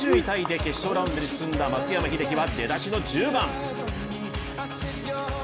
タイで決勝ラウンドに進んだ松山英樹は出だしの１０番。